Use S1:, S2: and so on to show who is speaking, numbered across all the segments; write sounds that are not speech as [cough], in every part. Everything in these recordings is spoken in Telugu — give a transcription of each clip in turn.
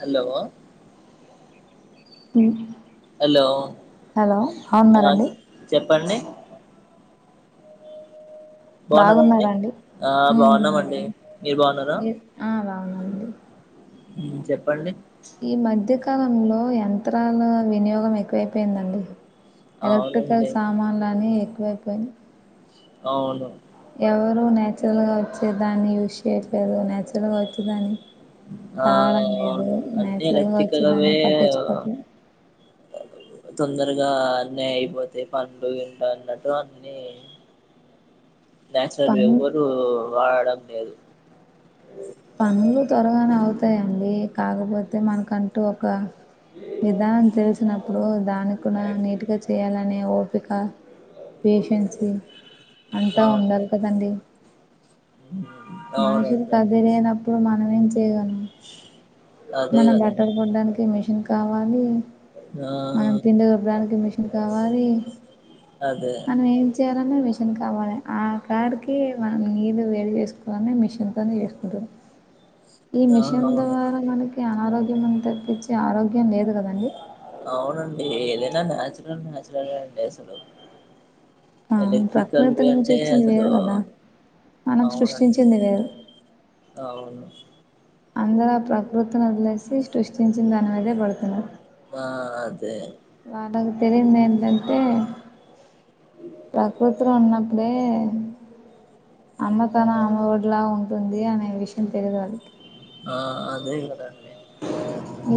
S1: హలో
S2: ఉమ్
S1: హలో
S2: హలో బాగున్నారా
S1: ఆ
S2: అండి
S1: చె- చెప్పండి బాగున్నారా అండి
S2: బాగున్నానండి
S1: ఆ
S2: హుమ్మ్
S1: బాగున్నామండి మీరు బాగున్నారా
S2: మీరు ఆ బాగున్నాడి
S1: చెప్పండి
S2: ఈ మధ్య అకాలంలో యంత్రాల వినియోగం ఎక్కువైపోయిందండి ఎలక్ట్రికల్
S1: అవునండి
S2: సామాన్లని ఎక్కువ ఎక్కువైపోయి
S1: అవును
S2: ఎవరు నేచురల్ గా వచ్చేదాన్ని వ్యు స్ చేయట్లేదు. న్యాచురల్ గా వచే దాని
S1: ఆ అన్ని
S2: నేచురల్ గా
S1: ఎలక్ట్రికల్వే
S2: వచ్చేదాన్ని పట్టించుకోవట్లేదు
S1: తొందరగా అన్ని అయిపోతాయి పనులు ఇంట్ల అన్నట్టు అన్ని నాచురల్ వి
S2: పనులు
S1: ఎవరు వాడడం లేదు
S2: పనులు త్వరగానే అవుతాయండి. కాకపోతే మనకంటూ ఒక విధానం తెలిసినప్పుడు దాన్ని కూడా నీటుగా చేయాలనే ఓపిక పేషన్సీ అంతా
S1: అవును
S2: ఉండాలి కదండి.
S1: ఉమ్,
S2: మనుషులు
S1: అవునండి
S2: తప్పిపోయినప్పుడు మ [unintelligible]
S1: అదే
S2: మనం
S1: కదండి
S2: బట్టలు కుట్టడానికి మిషన్ కావాలి.
S1: ఆ
S2: మనం పిండి రుబ్బడానికి మిషన్ కావాలి.
S1: అదే
S2: మనం ఏం చేయాలన్నా మిషన్ కావాలె ఆ కాడికి మనం నీళ్ళు వేడి చేసుకో ఇవన్నీ మిషన్ తోనే చేసుకుంటురు. ఈ
S1: ఆ
S2: మిషన్
S1: అవును
S2: ద్వారా మనకి అనారోగ్యం అని తప్పించి ఆరోగ్య ఇంకేం లేదు కదండి.
S1: అవునండి ఏదైనా నాచురల్ నాచురల్ ఏ అండి అసలు.
S2: ఆ ప్రకృతి
S1: ఎలక్ట్రికల్వి
S2: నుంచి
S1: అంటే
S2: వచ్చింది
S1: అసలు
S2: వేరు కదా. మనం
S1: అవునండి
S2: సృష్టించింది వేరు.
S1: అవును.
S2: అందరు ఆ ప్రకృతిని వదిలేసి సృష్టించిన దాని మీదే పడుతున్నారు.
S1: ఆ అదే
S2: వాళ్ళకి తెలియనిది ఏంటంటే ప్రకృతిలో ఉన్నప్పుడే అమ్మతనం అమ్మఒడిలా ఉంటుంది అనే విషయం తెలియదు వాళ్ళకి.
S1: ఆ అదే కదండీ.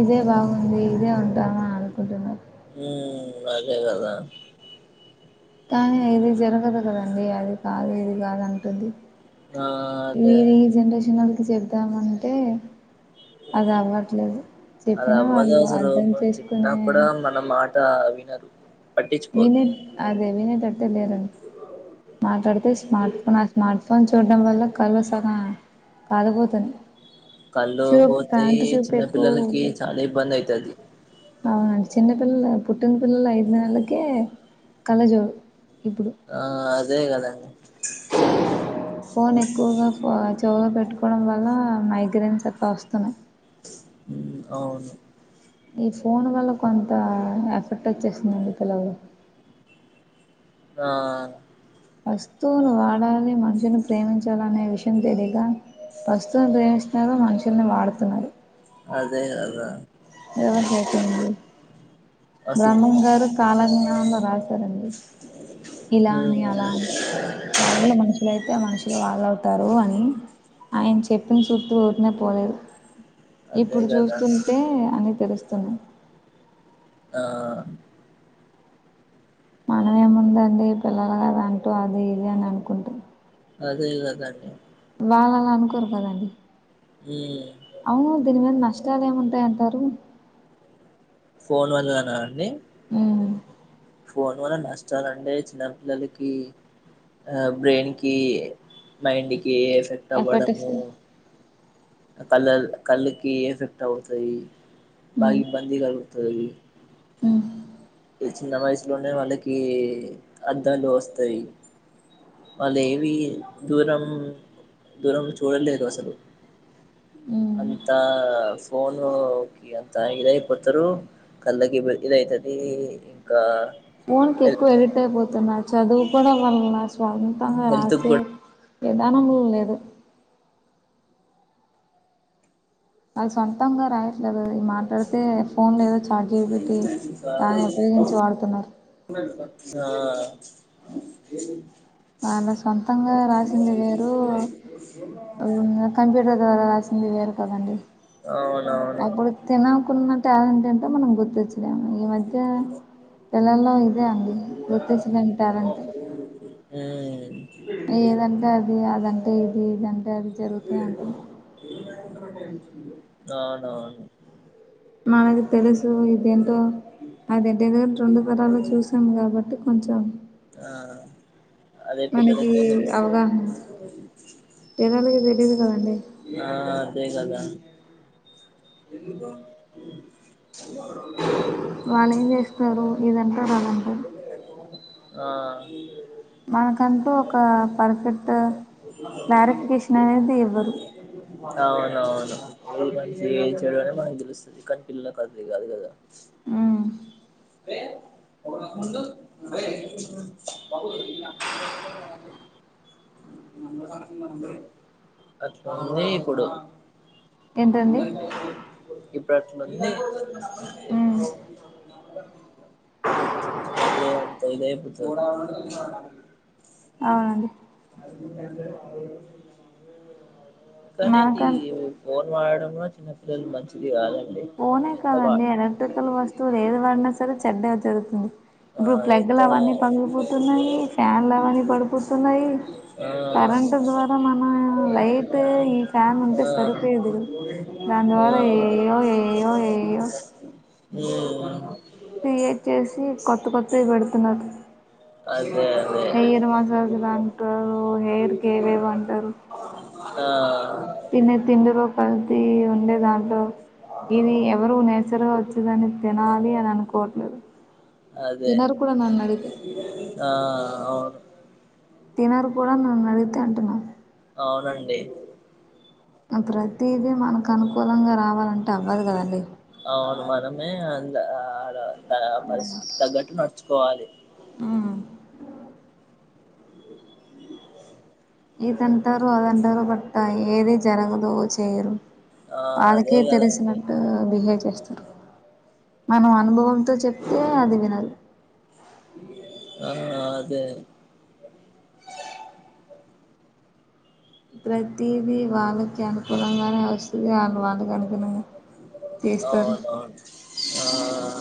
S2: ఇదే బాగుంది ఇదే ఉంటామ అనుకుంటున్నరు.
S1: ఉ అదే కదా.
S2: కానీ ఇది జరగదు కదండి అది కాదు ఇది కాదు అంటుంది
S1: ఆ అదే
S2: వీరి ఈ జనరేషన్ వొళ్ళ జల్ వద్దామంటే అది అవ్వట్లేదు
S1: అది
S2: చెప్పినా
S1: అవ్వదు
S2: వాళ్ళు
S1: అసలు
S2: అర్థం
S1: మనం చెప్పినా
S2: చేసుకునే
S1: కూడా మన మాట వినరు పట్టించుకోరు
S2: వినె అదే వినే తట్టెలేరండి. మాట్లాడితే స్మార్ట్ ఫోన్ ఆ స్మార్ట్ ఫోన్ చూడటడం వల్ల కల్లు సగం కాలిపోతున్నాయి
S1: కళ్ళు
S2: చూపు
S1: పోతయి
S2: కాంతి చూపు
S1: చిన్న పిల్లలకి
S2: ఎక్కువ
S1: చాలా ఇబ్బంది అయితది.
S2: అవునండి చిన్నపిల్లలు పుట్టిన పిల్లలు ఐదు నెలలకే కళ్ళజోడు ఇప్పుడు
S1: ఆ అ దే కదండీ
S2: ఫోన్ ఎక్కువగా ఫ చెవిలు పెట్టుకోవడం వల్ల మైగ్రైన్స్ అట్ల వస్తున్నాయి
S1: అవును
S2: ఈ ఫోన్ వల్ల కొంత ఎఫెర్ట్ వచ్చేస్తుందండి పిల్లలు
S1: ఆ
S2: వస్తువులు వాడాలి మనుషుల్ని ప్రేమించాలినే విషయం తెలియగా వస్తువుని ప్రేమిస్తున్నారు మనుషుల్ని వాడుతున్నారు
S1: అదే కదా
S2: రివర్స్ ఐపొయింది
S1: అసలు
S2: బ్రహ్మన్ గారు కాలజ్ఞనంలో రాశారండి ఇలా అని అలా
S1: ఉమ్
S2: అని వాళ్ళ మనుషులుయితే మనుషులు వాళ్ళ అవుతారు అని ఆయన చెప్పిన చుట్టూ రినే పోలేదు
S1: అదే
S2: ఇప్పుడు
S1: కదా
S2: చూస్తుంటే అని తెలుస్తు తున్
S1: ఆ
S2: మనమేముందండి పిల్లలు గద అంటూ అది ఇది అని అనుకుంటా
S1: కల్ [inaudible]
S2: వాళ్లలా అనుకోరు కదండి
S1: ఉమ్
S2: అవును దీనిమీద నష్ట త్రాలేముంటాయంటారు
S1: ఫోన్ వల్లనా అండి
S2: ఊ
S1: ఫోన్ వల్ల నష్టాలంటే చిన్నపిల్లలకి ఆ బ్రెయిన్ కి మైండ్ కి కే ఎఫెక్ట్ అవ్వడము కళ్ళళ్ కళ్ళుకి ఎఫెక్ట్ అవుతాయి బా
S2: మ్మ్
S1: ఇబ్బంది గౌ తురయి
S2: మ్మ్
S1: ఈ చిన్న వయసులోన్ నా వాళ్ళకి అద్దాలు వస్తాయి వాళ్ళు ఏవీ దూరం దూరం నుంచి చూడలేరు అసలు
S2: మ్మ్
S1: అంతా ఫోనుకి అంత ఇదయిపోతారు కళ్ళకి ఇదైతది ఇంకా
S2: ఫోన్ కి ఎక్కువ ఎడిక్ట్ అయిపోతున్నా చదువుకోనే [inaudible] స్వంతంగ
S1: హెల్త్
S2: రాసే
S1: కూడా
S2: ఏ దానము లేదు అది సొంతంగా రాయట్లేదు ఈ మాట్లాడితే ఫోన్ లో ఏదో చార్జ్ జీ పీటీ దాన్ని ఉపయోగించి వాడుతున్నారు
S1: ఆ
S2: వాళ్ళ సొంతంగా రాసింది వేరు ఉంగ కంప్యూటర్ ద్వారా రాసి ఇంది వేరు కదండి
S1: అవునవును
S2: అప్పుడు తినకున్నాట అంట మనం గుర్తుచ్చు ఈ మధ్య ఎలల్లో ఇద అ గుర్తిస్తదం ట్యాలెంట్
S1: ఉమ్
S2: ఏదంటే అది అదంటే ఇది ఇదంటే అది జరుగుత అంటుంది
S1: అవునావును
S2: మనకు తెలుసు ఇదేంటో అదింటేందు కా రెండు తరాలు చూసాను కాబట్టి కొంచెం
S1: అది కదా
S2: మనకి
S1: [inaudible]
S2: అవగాహన పిల్లలకి తెలియదు కదండి
S1: ఎ అ
S2: స్టారు ఇదంటారు అదంటారు
S1: ఆ
S2: మనకంటూ ఒక పర్ఫెక్ట్ క్లారిఫికేషన్ అనేది ఇవ్వరు
S1: అవునవును మంచి చెడునే మనం గెలుస్తుంది కాని పిల్లల కదులి కాదు కదా
S2: ఆ
S1: ఏే అట్లా ఉన్నాయి ఇప్పుడూ
S2: ఏంటండి
S1: ఇ ప్రశన
S2: ఉమ్,
S1: [unintelligible]
S2: అవునండి
S1: కని అది
S2: మనకం
S1: వాడంలో చిన్నపిల్లలు మంచిది కాదు
S2: ఫోనే కాదండి ఎలక్ట్రికల్ వస్తువులు ఏది పడినా సరే చెడ్డే జరుగుత స
S1: ఆ ఏంత
S2: ఫ్యాన్లు అవన్నీ పడిపోతున్నాయి
S1: ఆ
S2: కరెంటు ద్వారా మన లైట్ ఈ ఫ్యాన్ ఉంటే సరిపోయేది కదా దాని
S1: ఆ
S2: ద్వారా ఏయో ఏయో ఏయో
S1: ఎ ఓ
S2: త ఏ చేసి కొత్త కొత్త పెడుతున్నారు
S1: అదే అదే
S2: హెయిర్ మసాజ్ లా అంటారు హెయిర్ కి ఏవేవ అంటారు
S1: ఆ
S2: తన్న తిండి లో కల్తీ ఉండి బ ఇది ఎవరు నేచర్గా వచ్చిదని తినాలి అని అనుకోవట్లేదు
S1: అదే
S2: తినరు కూడా నన్ను అడిగితే
S1: ఆ అవును
S2: తినరు కూడా నన్నడిగితే అంటున్నా
S1: అవునండి
S2: ప్రతిదీ మనకు అనుకూలంగా రావాలంటే అవ్వదు కదండి
S1: లా ఆడ [inaudible] పరిస్థితికి తగ్గట్ నడుచ్ కొవాలి
S2: ఆ ఇదంటారు అదంటారు బట్ ఏది జరగదు చేయరు
S1: ఆ అదే
S2: వాళ్ళకే
S1: కదండి
S2: తెలిసినట్టు బిహేవ్ చేస్త మనం అనుభవంతో చెప్తే అది వినరు
S1: ఆదే
S2: ప్రతిది వాళ్ళకి అనుకూలంగానే వస్తది ఆళ్ వాళ్లు కను
S1: అవునువును ఆ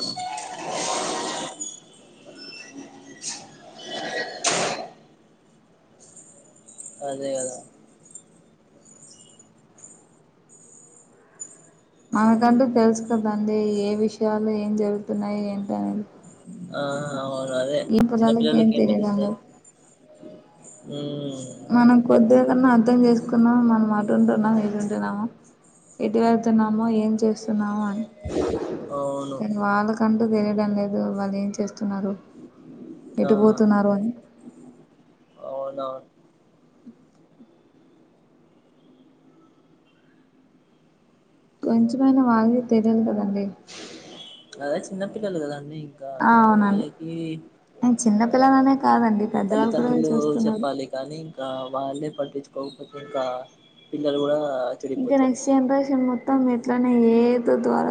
S1: అదే కదా
S2: మనకంటూ తెలుసు కదండి ఏ విషయాలు ఏం జరుగుతున్నాయి ఏంటనేది
S1: ఆ అవు అదే
S2: పిల్లలకి ఏం
S1: చిన్నపిల్లలకి ఎండ
S2: తెలియడం
S1: డిస్టెం
S2: లేదు
S1: ఉ
S2: మనం కొద్దిగా కన్నా అర్థం చేసుకున్నా మనం అటు ఉంటున్నాము ఇటుంటున్నాము ఎటు వెళ్తున్నామో ఏం చేస్తున్నామొ అని
S1: అవును
S2: కానీ వాళ్ళకంటూ తెలియడం లేదు వాళ్ళు ఏం చేస్త్ తున్నారు
S1: ఆ
S2: ఎటు పోతున్నారు అని
S1: అవునవును
S2: కొంచెమైనా వావి తెలియాలి కదండి
S1: అదే చిన్నపిల్లలు కదా అన్నీ ఇంకా
S2: ఆ
S1: చిన్న
S2: అవునండి
S1: పిల్లలకి
S2: చిన్నపిల్లలనే కాదండి పెద్దవాళ్ళు కూడా
S1: తల్లిదండ్రులు
S2: చూస్తున్నారు
S1: చెప్పాలి కానీ ఇంకా వాళ్ళే పట్టిచ్ కవ్ పతే కా పిల్లలు కూడా
S2: ఇంకా
S1: చెడిపోతారు
S2: [unintelligible] తం ఇట్లనే ఏదో ద్వార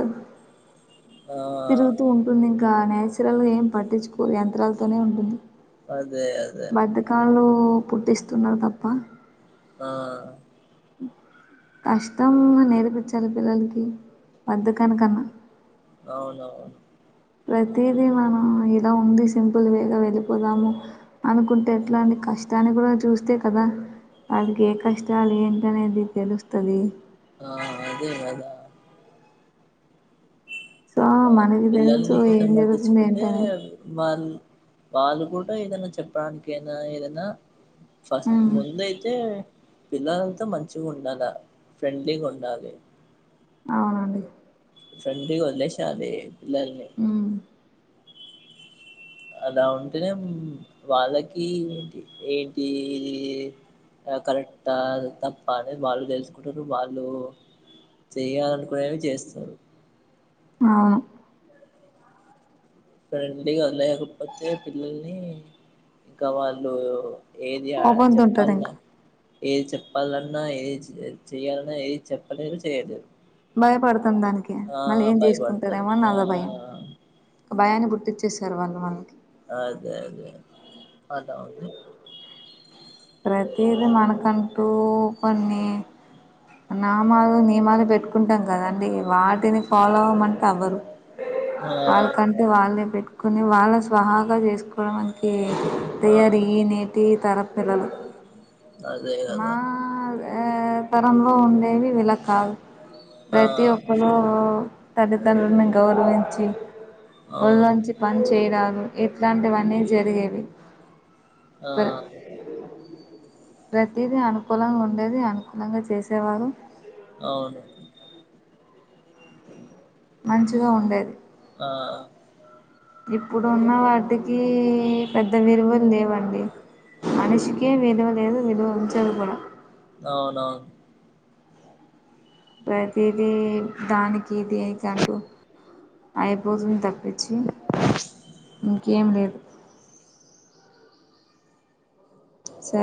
S1: ఆ
S2: తిరుగుతూ ఉంటుంది ఇంకా అనే సిరలు ఏం పట్టించుకో యంత్రాలతోనే ఉంటుంది
S1: అదే అదే
S2: ఉ పుట్టిస్తున్నారు తప్ప
S1: ఆ
S2: కష్టం నేర్పిచ్చాలి పిల్లలకి బద్ధకాని కన్నా
S1: అవునవును
S2: ప్రతిదీ మనం ఇలా ఉంది సింపుల్ వేగా వెళ్ళిపోదాము అనుకుంటే ఎట్లండి కష్టాన్ని కూడా చూస్తే కదా వాళకి ఏ కష్టాలు ఏంటి అనేది తెలుస్తది
S1: ఆ అదే అదా
S2: సో మనకి తెలుసు
S1: పిల్లల్ని కూడా
S2: ఏం జరుగుతుంది
S1: పట్టించుకుంటే
S2: ఏంటనేది
S1: వాళ్ళు వాళ్ళు కూడా ఏదైనా చెప్పడానికైన ఏదైనా ఫస్ట్
S2: ఉమ్
S1: ముందు అయితే పిల్లలంతా మంచిగా ఉండాలా ఫ్రెండ్లీగా ఉండాలి
S2: అవునండి
S1: సుండీ గా వదిలేసేయాలి పిల్లని
S2: ఉమ్
S1: అలా ఉంటేనే వాళ్ళకి ఏంటి ఇది కరెక్టా తప్ప అనేది వాళ్ళు తెలుసుకుంటారు వాళ్ళు చెయాలనుకునేవి చేస్తారు,
S2: ఆ
S1: ఫ్రెండ్లీగా లేకపోతే పిల్లల్ని ఇంకా వాళ్ళు, ఏది ఆ
S2: కోపంతో ఉంటారు
S1: చెప్పాల
S2: ఇంకా
S1: ఏది చెప్పాలన్నా ఏది చెయాలన్నా ఏది చెప్పాలేరు చెయలేరు
S2: భయపడ దానికి మళ్ళీ ఏం
S1: భయపడతారు
S2: చేసుకుంటారేమోని అదో భయం భయాన్ని పుట్టిచ్చేసారు వాళ్ళు మానాకి
S1: అదే అదే అలా ఉంది
S2: ప్రతిదీ మనకంటూ కొన్ని నామాలు నియమాలు పెట్టుకుంటాం కదాండి వాటిని ఫాలో అవ్వమంటే అవ్వరు
S1: ఆ
S2: వాళ్ళ కంటే వల్లే కొన్ని వాళ్ళ స్వహాగా చేసుకోవడంనికి
S1: ఆ
S2: తియారీ నేటి తరం పిల్లలు
S1: అదే
S2: మా
S1: కదా
S2: ఆ తరంలో ఉండేవి ఇలా కాదు
S1: ఆ
S2: ప్రతి ఒక్కలు తల్దిదండ్రులను గౌరవించి ఒళ్ళు
S1: అవును
S2: వంచి పని చేయడానికి, ఎట్లాంటివన్నీ జరిగేవి,
S1: ఆ
S2: ప్ర ప్రతిదీ అనుకూలంగా ఉండేది అనుకూలంగా చేసేవారు
S1: అవును
S2: మంచిగా ఉండేది
S1: ఆ
S2: ఇప్పుడున్న వాటికి పెద్ద విలువలు లేవండి మనిషికే విలువ లేదు విలువ ఉంచది కూడా
S1: అవునవును
S2: ప్రతిదీ దానికి దినీకి అంటూ అయిపోతుంది తప్ప పిచ్చి ఇంకేం లేదు సరే